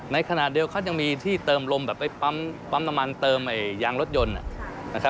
ในขนาดเดียวเค้ายังมีที่เติมลมแบบไอ้ปั๊มน้ำมันเติมไอ้ยางรถยนต์